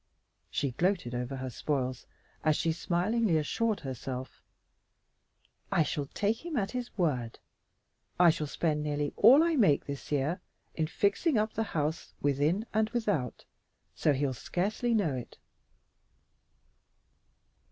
She gloated over her spoils as she smilingly assured herself, "I shall take him at his word. I shall spend nearly all I make this year in fixing up the old house within and without, so he'll scarcely know it."